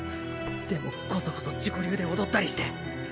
でもコソコソ自己流で踊ったりして。